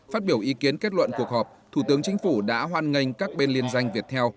phát biểu ý kiến kết luận cuộc họp thủ tướng chính phủ đã hoan nghênh các bên liên danh việt theo